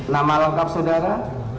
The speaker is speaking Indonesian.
nama lengkap saudara